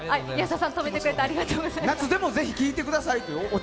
夏でもぜひ聴いてくださいというね。